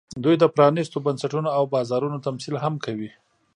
دوی د پرانېستو بنسټونو او بازارونو تمثیل هم کوي